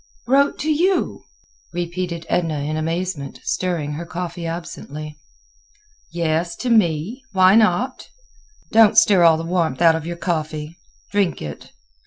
"Wrote to you?" repeated Edna in amazement, stirring her coffee absently. "Yes, to me. Why not? Don't stir all the warmth out of your coffee; drink it.